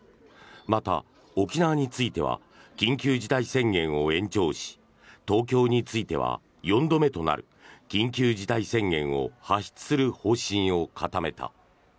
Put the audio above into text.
また、沖縄については緊急事態宣言を延長し東京については４度目となる緊急事態宣言を発出する方針を固めた。